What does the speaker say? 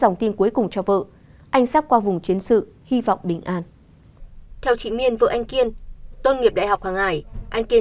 anh sắp qua vùng chiến sự hy vọng được bình an